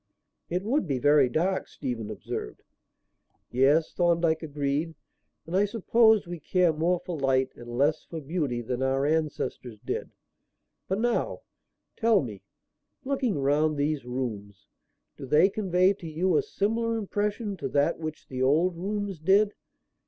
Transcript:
"It would be very dark," Stephen observed. "Yes," Thorndyke agreed, "and I suppose we care more for light and less for beauty than our ancestors did. But now, tell me; looking round these rooms, do they convey to you a similar impression to that which the old rooms did?